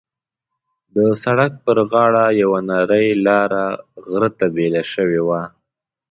د سړک پر غاړه یوه نرۍ لاره غره ته بېله شوې وه.